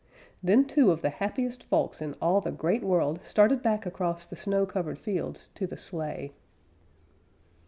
Then two of the happiest folks in all the Great World started back across the snow covered fields to the sleigh.